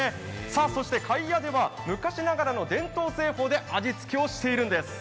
そして、かいやでは昔ながらの伝統製法で味付けをしているんです。